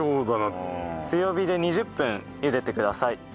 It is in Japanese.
強火で２０分茹でてください。